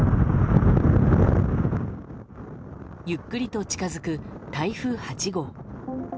ゆっくりと近づく台風８号。